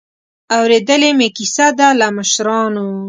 اورېدلې مې کیسه ده له مشرانو.